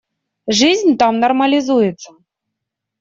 Жизнь там нормализуется.